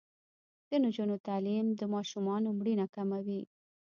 د نجونو تعلیم د ماشومانو مړینه کموي.